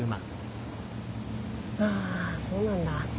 ああそうなんだ。